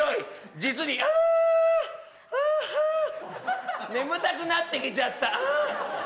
実に、あ、あは、眠たくなってきちゃった。